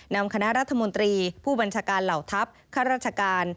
นำคณะรัฐมนตรีผู้บัญชาการเหล่าทัพข้าราชการ